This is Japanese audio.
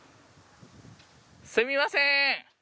すみません。